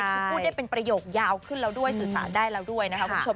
คือพูดได้เป็นประโยคยาวขึ้นแล้วด้วยสื่อสารได้แล้วด้วยนะคะคุณผู้ชม